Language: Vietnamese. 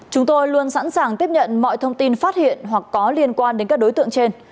chúng tôi luôn sẵn sàng tiếp nhận mọi thông tin phát hiện hoặc có liên quan đến các đối tượng trên